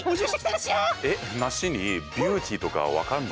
えっ梨にビューティーとか分かるの？